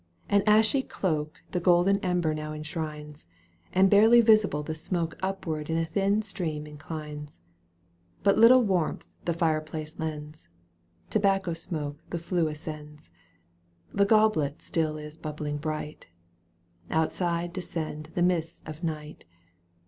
An ashy cloak The golden ember now enshrines, And barely visible the smoke Upward in a thin stream inclines. But little warmth the fireplace lends. Tobacco smoke the flue ascends. The goblet still is bubbling bright — Outside descend the mists of night.